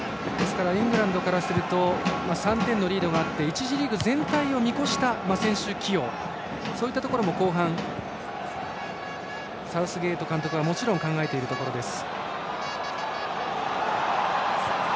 イングランドからすると３点リードがあって１次リーグ全体を見越した選手起用そういったところも後半サウスゲート監督はもちろん考えているところです。